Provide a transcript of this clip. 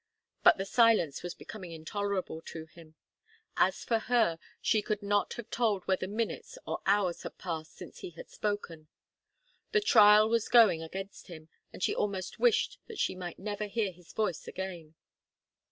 But the silence was becoming intolerable to him. As for her, she could not have told whether minutes or hours had passed since he had spoken. The trial was going against him, and she almost wished that she might never hear his voice again.